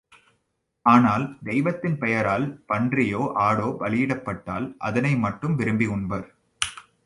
ஆனால், தெய்வத்தின் பெயரால் பன்றியோ ஆடோ பலியிடப்பட்டால் அதனை மட்டும் விரும்பி உண்பர்.